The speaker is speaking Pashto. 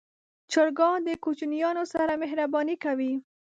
چرګان د کوچنیانو سره مهرباني کوي.